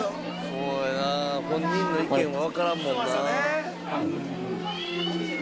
そうだよな本人の意見は分からんもんな。